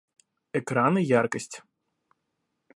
Экран и яркость